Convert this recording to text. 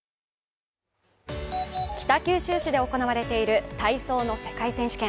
北九州市で行われている体操の世界選手権。